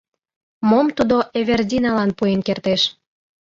Мом тудо Эвердиналан пуэн кертеш?